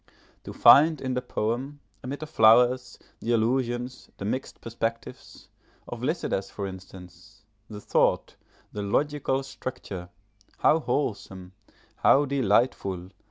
To find in the poem, amid the flowers, the allusions, the mixed perspectives, of Lycidas for instance, the thought, the logical structure: how wholesome! how delightful!